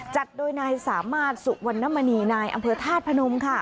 จัดโดยนายสามารถสุวรรณมณีนายอำเภอธาตุพนมค่ะ